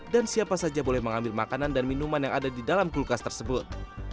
dan siapa saja boleh mengambil makanan dan minuman yang ada di dalam kulkas tersebut